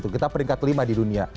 kita peringkat lima di dunia